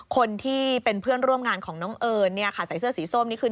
คนที่เป็นเพื่อนร่วมงานของน้องเอิญเนี่ยค่ะใส่เสื้อสีส้มนี่คือ